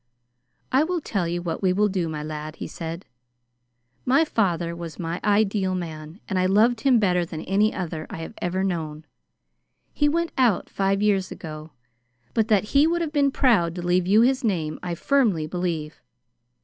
"I will tell you what we will do, my lad," he said. "My father was my ideal man, and I loved him better than any other I have ever known. He went out five years ago, but that he would have been proud to leave you his name I firmly believe.